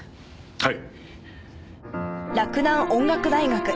はい。